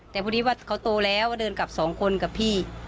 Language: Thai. แต่พอทีเขาโตแล้วเดินกับสองคนกับพี่